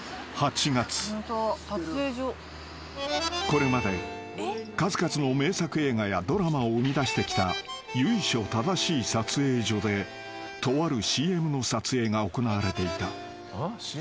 ［これまで数々の名作映画やドラマを生みだしてきた由緒正しい撮影所でとあるＣＭの撮影が行われていた］